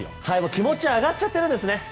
気持ち上がっちゃってるんですね。